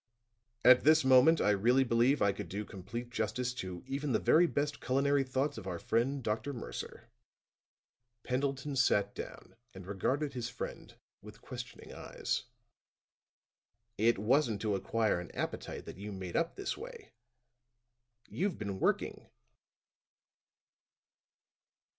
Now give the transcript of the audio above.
At this moment I really believe I could do complete justice to even the very best culinary thoughts of our friend, Dr. Mercer." Pendleton sat down and regarded his friend with questioning eyes. "It wasn't to acquire an appetite that you made up this way. You've been working."